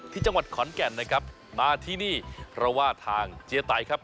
ที่จังหวัดขอนแก่นนะครับมาที่นี่เพราะว่าทางเจียไตครับ